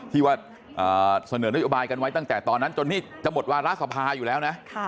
ที่ว่าเสนอนโยบายกันไว้ตั้งแต่ตอนนั้นจนนี่จะหมดวาระสภาอยู่แล้วนะ